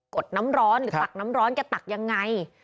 ดน้ำร้อนหรือตักน้ำร้อนแกตักยังไง